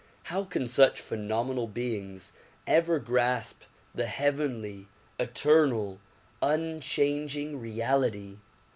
How can such phenomenal beings ever grasp the heavenly, eternal, unchanging reality?